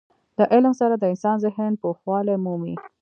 له علم سره د انسان ذهن پوخوالی مومي.